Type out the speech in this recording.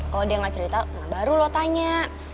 kalau dia nggak cerita baru lo tanya